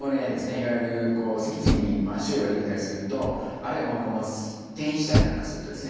いわゆるこう脊椎に腫瘍が出来たりするとあるいは転移したりなんかするとですね